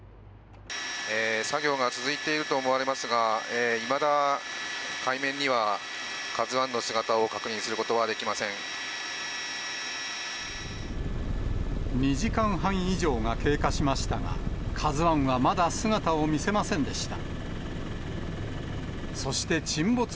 作業が続いていると思われますが、いまだ海面には、ＫＡＺＵＩの姿を確認することはできま２時間半以上が経過しましたが、ＫＡＺＵＩはまだ姿を見せませんでした。